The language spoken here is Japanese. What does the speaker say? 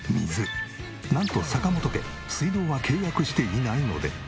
なんと坂本家水道は契約していないので。